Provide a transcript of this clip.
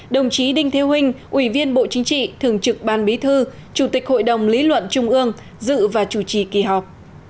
đồng chí đinh theo hình ủy viên bộ chính trị thường trực ban bí thư chủ tịch hội đồng lý luận trung ương dự và chủ trì kỳ họp